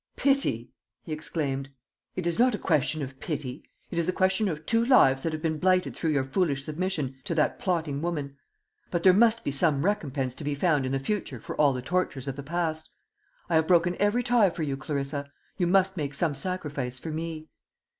"Pity!" he exclaimed. "It is not a question of pity; it is a question of two lives that have been blighted through your foolish submission to that plotting woman. But there must be some recompense to be found in the future for all the tortures of the past. I have broken every tie for your sake, Clarissa; you must make some sacrifice for me."